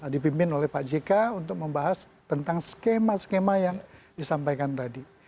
dipimpin oleh pak jk untuk membahas tentang skema skema yang disampaikan tadi